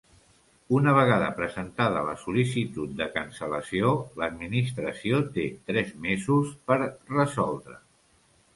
Una vegada presentada la sol·licitud de cancel·lació, l'Administració té tres mesos per resoldre.